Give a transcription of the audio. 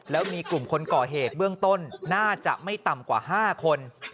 แล้วมีกลุ่มคนก่อเหตุเบื้องต้นน่าจะไม่ต่ำกว่า๕คน